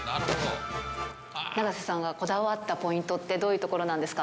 永瀬さんがこだわったポイントってどういうところなんですか。